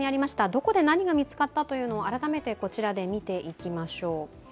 どこで何が見つかったか改めてこちらで見ていきましょう。